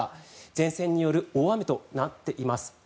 前線による大雨となっています。